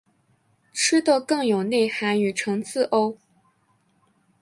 吃的更有内涵与层次喔！